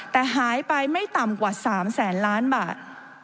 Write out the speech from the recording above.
แต่หายไปไม่ต่ำกว่า๓แสนล้านบาท